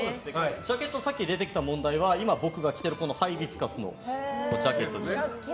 ジャケットさっき出てきた問題は今、僕が着ているハイビスカスのジャケットです。